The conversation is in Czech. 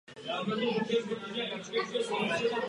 Také získala hlavní roli ve snímku "Všechno úplně všechno".